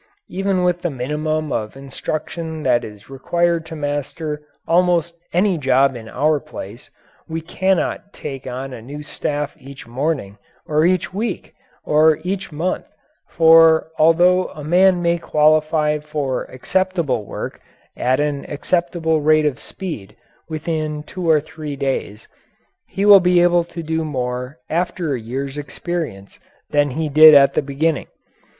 Even with the minimum of instruction that is required to master almost any job in our place, we cannot take on a new staff each morning, or each week, or each month; for, although a man may qualify for acceptable work at an acceptable rate of speed within two or three days, he will be able to do more after a year's experience than he did at the beginning.